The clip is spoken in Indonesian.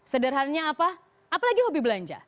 sederhananya apa apalagi hobi belanja